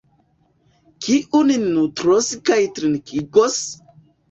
Kiu nin nutros kaj trinkigos?